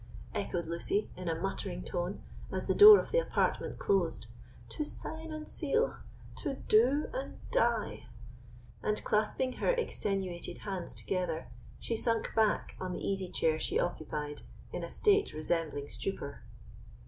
echoed Lucy, in a muttering tone, as the door of the apartment closed—"to sign and seal—to do and die!" and, clasping her extenuated hands together, she sunk back on the easy chair she occupied, in a state resembling stupor.